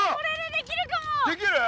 できる？